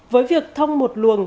với việc thông một luồng